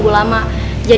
aku bisa mencoba